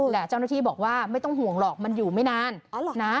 แต่เจ้าหน้าที่บอกว่าไม่ต้องห่วงหรอกมันอยู่ไม่นานนะ